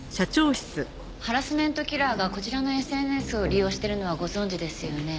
ハラスメントキラーがこちらのＳＮＳを利用してるのはご存じですよね？